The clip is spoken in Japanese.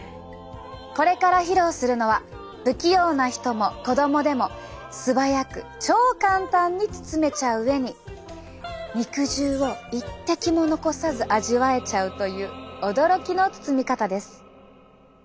これから披露するのは不器用な人も子供でも素早く超簡単に包めちゃう上に肉汁を一滴も残さず味わえちゃうという驚きの包み方です。